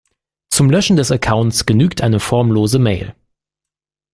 Zum Löschen des Accounts genügt eine formlose Mail.